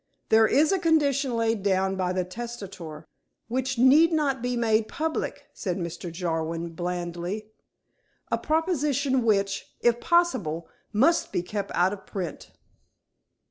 "There is a condition laid down by the testator which need not be made public," said Mr. Jarwin blandly. "A proposition which, if possible, must be kept out of print."